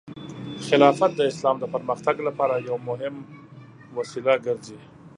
خلافت د اسلام د پرمختګ لپاره یو مهم وسیله ګرځي.